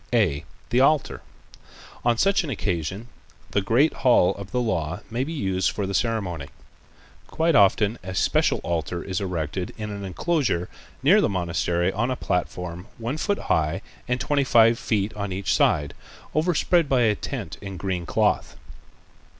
(a) The Altar.—On such an occasion the great hall of the Law may be used for the ceremony. Quite often a special altar is erected in an enclosure near the monastery on a platform one foot high and twenty five feet on each side, overspread by a tent of green cloth.